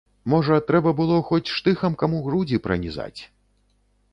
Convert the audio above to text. Можа трэба было хоць штыхам каму грудзі пранізаць.